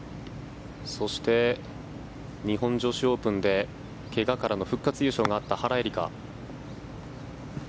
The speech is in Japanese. そして日本女子オープンで怪我からの復活優勝があった原英莉花。